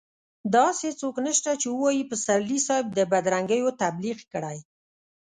داسې څوک نشته چې ووايي پسرلي صاحب د بدرنګيو تبليغ کړی.